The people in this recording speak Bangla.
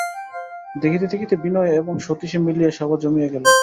দেখিতে দেখিতে বিনয়ে এবং সতীশে মিলিয়া সভা জমিয়া গেল।